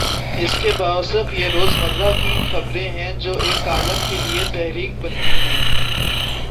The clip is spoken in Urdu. اس کے باوصف یہ روز مرہ کی خبریں ہیں جو ایک کالم کے لیے تحریک بنتی ہیں۔